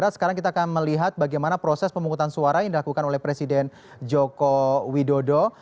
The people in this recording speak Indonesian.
sekarang kita akan melihat bagaimana proses pemungutan suara yang dilakukan oleh presiden joko widodo